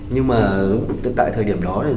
nhưng mà tại thời điểm đó